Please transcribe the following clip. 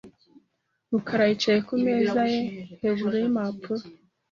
rukara yicaye ku meza ye hejuru y'impapuro .